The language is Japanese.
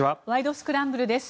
スクランブル」です。